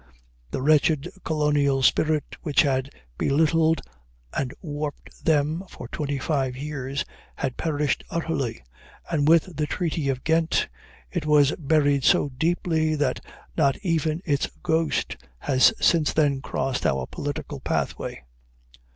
The wretched colonial spirit which had belittled and warped them for twenty five years had perished utterly, and with the treaty of Ghent it was buried so deeply that not even its ghost has since then crossed our political pathway.